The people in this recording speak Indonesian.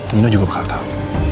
nino juga bakal tau